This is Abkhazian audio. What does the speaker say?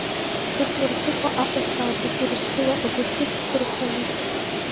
Дук мырҵыкәа Аҟәа салҵит, Урыстәыла агәахьы схы рханы.